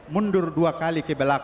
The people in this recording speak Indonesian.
mundur dua kali ke belakang